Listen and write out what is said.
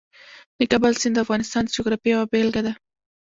د کابل سیند د افغانستان د جغرافیې یوه بېلګه ده.